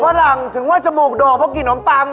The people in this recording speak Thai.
พอหลังถึงว่าจมูกโด่งเพราะกินนมปัง